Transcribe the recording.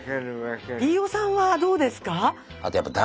飯尾さんはどうですか？